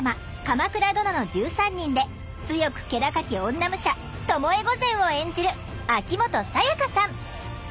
「鎌倉殿の１３人」で強く気高き女武者巴御前を演じる秋元才加さん。